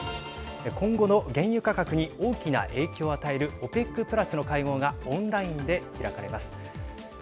今後の原油価格に大きな影響を与えるＯＰＥＣプラスの会合がオンラインで開かれます。